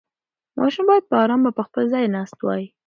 ماشوم باید په ارامه په خپل ځای ناست وای.